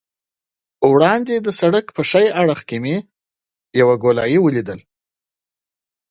وړاندې د سړک په ښي اړخ کې مې یوه ګولایي ولیدل.